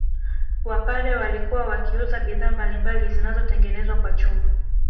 Wapare walikuwa wakiuza bidhaa mbalimbali zinazotengenezwa kwa chuma